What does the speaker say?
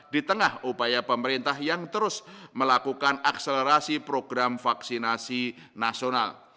di tengah upaya pemerintah yang terus melakukan akselerasi program vaksinasi nasional